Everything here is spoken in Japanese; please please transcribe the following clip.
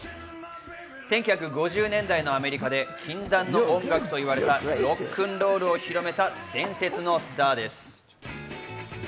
１９５０年代のアメリカで禁断の音楽と言われた、ロックンロールを広めた伝説のスターです。